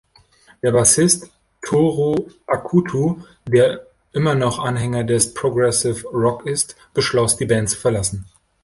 Der Bassist Tohru Akutu, der immer noch Anhänger des Progressive Rock ist, beschloss, die Band zu verlassen.